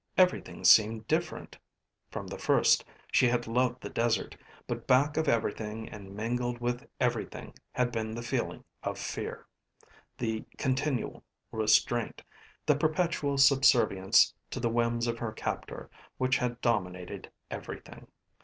Everything seemed different. From the first she had loved the desert, but back of everything and mingled with everything had been the feeling of fear, the continual restraint, the perpetual subservience to the whims of her captor which had dominated everything.